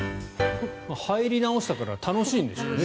入り直したから楽しいんでしょうね。